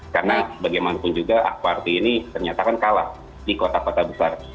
karena bagaimanapun juga ak parti ini ternyata kan kalah di kota kota besar